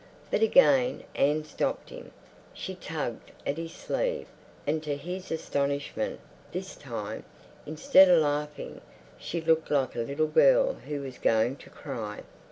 But again Anne stopped him. She tugged at his sleeve, and to his astonishment, this time, instead of laughing, she looked like a little girl who was going to cry.